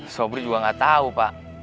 sobri juga gak tau pak